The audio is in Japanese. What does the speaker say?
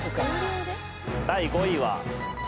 第５位は。